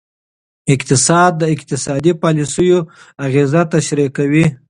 اقتصاد د اقتصادي پالیسیو اغیزه تشریح کوي.